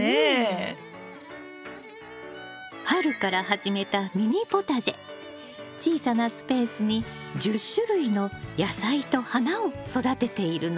春から始めた小さなスペースに１０種類の野菜と花を育てているの。